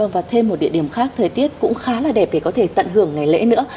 và thêm một địa điểm khác thời tiết cũng khá là đẹp để có thể tận hưởng ngày lễ nữa